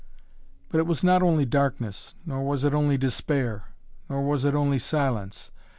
But it was not only darkness, nor was it only despair. Nor was it only silence.